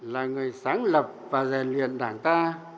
là người sáng lập và rèn luyện đảng ta